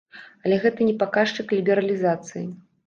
Але гэта не паказчык лібералізацыі.